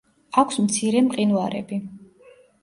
აქვს მცირე მყინვარები.